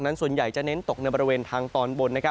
ส่วนใหญ่จะเน้นตกในบริเวณทางตอนบน